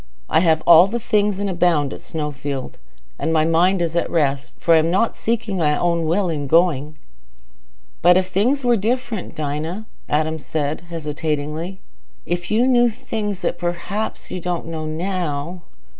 I have all things and abound at Snowfield. And my mind is at rest, for I am not seeking my own will in going." "But if things were different, Dinah," said Adam, hesitatingly. "If you knew things that perhaps you don't know now...."